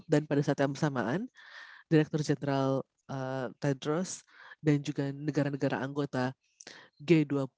dan pada saat yang bersamaan direktur jenderal tedros dan juga negara negara anggota g dua puluh